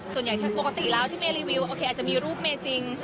ส่วนใหญ่ปกติแล้วที่เมย์รีวิวโอเคอาจจะมีรูปเมย์จริง